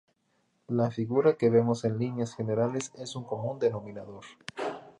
La figura que vemos en líneas generales es un común denominador.